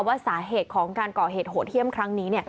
ว่าสาเหตุของการก่อเหตุโหดเยี่ยมครั้งนี้